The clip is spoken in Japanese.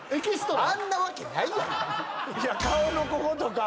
あんなわけないやん。